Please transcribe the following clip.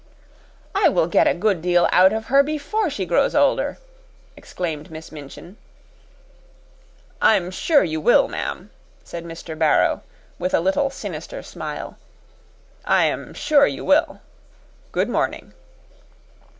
"I will get a good deal out of her before she grows older!" exclaimed Miss Minchin. "I am sure you will, ma'am," said Mr. Barrow, with a little sinister smile. "I am sure you will. Good morning!"